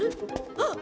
あっ！